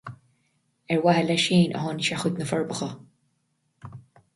Ar mhaithe leis féin a tháinig sé chuig na Forbacha.